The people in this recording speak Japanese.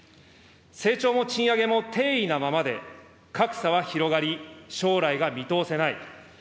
成長も賃上げも低位なままで、格差は広がり、将来が見通せない。